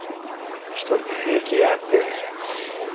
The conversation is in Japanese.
一人で平気やて。